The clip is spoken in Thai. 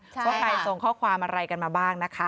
ว่าใครส่งข้อความอะไรกันมาบ้างนะคะ